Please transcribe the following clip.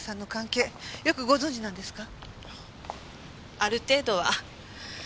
ある程度は。